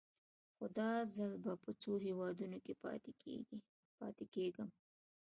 خو دا ځل به په څو هېوادونو کې پاتې کېږم.